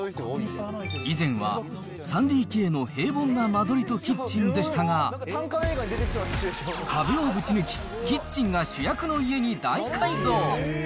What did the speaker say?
以前は３ＤＫの平凡な間取りとキッチンでしたが、壁をぶち抜き、キッチンが主役の家に大改造。